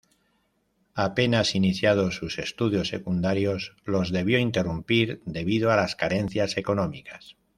Apenas iniciados sus estudios secundarios los debió interrumpir debido a las carencias económicas.